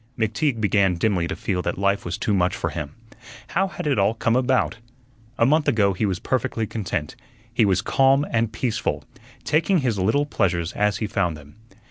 McTeague began dimly to feel that life was too much for him. How had it all come about? A month ago he was perfectly content; he was calm and peaceful, taking his little pleasures as he found them.